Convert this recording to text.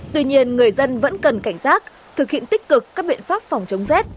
tuy nhiên người dân vẫn cần cảnh giác thực hiện tích cực các biện pháp phòng chống rét